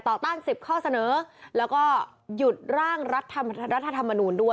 ต้าน๑๐ข้อเสนอแล้วก็หยุดร่างรัฐธรรมนูลด้วย